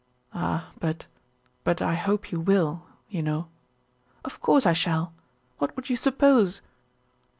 "Ah but but I hope you will you know." "Of course I shall! What would you suppose?"